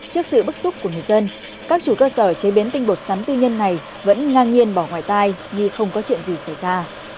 trước sự bức xúc của người dân các chủ cơ sở chế biến tinh bột sắn tư nhân này vẫn ngang nhiên bỏ ngoài tai như không có chuyện gì xảy ra